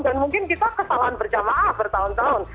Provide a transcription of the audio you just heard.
mungkin kita kesalahan berjamaah bertahun tahun